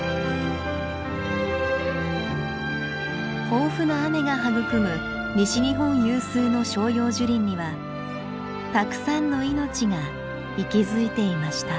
豊富な雨が育む西日本有数の照葉樹林にはたくさんの命が息づいていました。